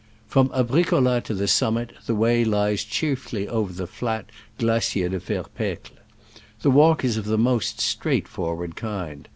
P'rom Abricolla to the summit the way lies chiefly over the flat Glacier de Fer pecle. The walk is of the most straight forward kind.